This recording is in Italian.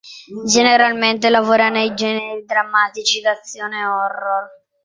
Generalmente lavora nei generi drammatici, d'azione e horror.